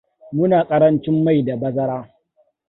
Muna karancin mai da bazara.